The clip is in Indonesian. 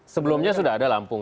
sebelumnya sudah ada lampung